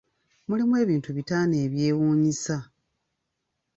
mulimu ebintu bitaano ebyewuunyisa.